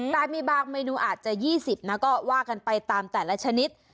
แต่มีบางเมนูอาจจะ๒๐นะก็ว่ากันไปตามแต่ละชนิด